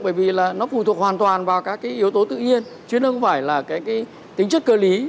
bởi vì nó phù thuộc hoàn toàn vào các yếu tố tự nhiên chứ nó không phải là tính chất cơ lý